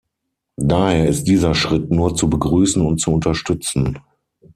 Daher ist dieser Schritt nur zu begrüßen und zu unterstützen.